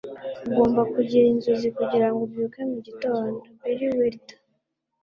ugomba kugira inzozi kugirango ubyuke mu gitondo. - billy wilder